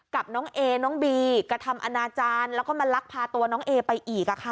กับน้องเอน้องบีกระทำอนาจารย์แล้วก็มาลักพาตัวน้องเอไปอีก